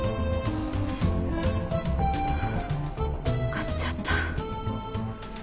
買っちゃった。